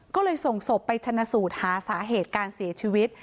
ก็เลยส่งศพไปชนะสูตรหาสาเหตุการเสียชีวิต